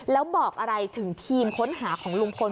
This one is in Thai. แล้วบอกอะไรถึงทีมค้นหาของลุงพล